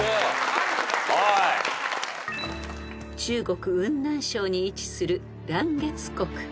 ［中国雲南省に位置する藍月谷］